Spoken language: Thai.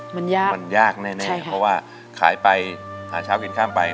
มันยากมันยากแน่เพราะว่าขายไปหาเช้ากินข้ามไป